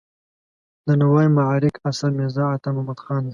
د نوای معارک اثر میرزا عطا محمد خان دی.